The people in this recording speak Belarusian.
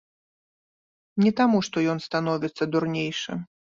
Не таму што ён становіцца дурнейшым.